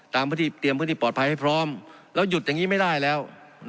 เตรียมพื้นที่ปลอดภัยให้พร้อมแล้วหยุดอย่างนี้ไม่ได้แล้ว